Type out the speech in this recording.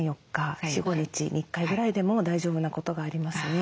３４日４５日に１回ぐらいでも大丈夫なことがありますね。